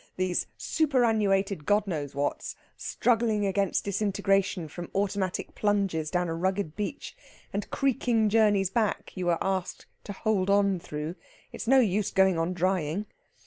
these superannuated God knows whats, struggling against disintegration from automatic plunges down a rugged beach, and creaking journeys back you are asked to hold on through it's no use going on drying!